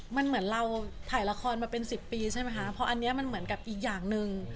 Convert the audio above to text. มันเหมือนเราถ่ายละครมาเป็นสิบปีใช่ไหมคะเพราะอันนี้มันเหมือนกับอีกอย่างหนึ่ง